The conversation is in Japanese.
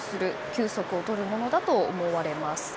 休息をとるものだと思われます。